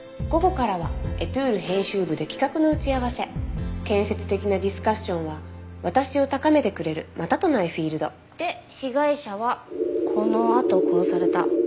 「午後からは『エトゥール』編集部で企画の打ち合せ」「建設的なディスカッションは私を高めてくれるまたとないフィールド」で被害者はこのあと殺された。